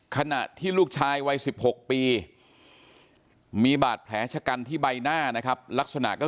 ขณะที่ลูกชายวัย๑๖ปีมีบาดแผลชะกันที่ใบหน้านะครับลักษณะก็